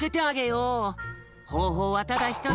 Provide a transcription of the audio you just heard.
ほうほうはただひとつ。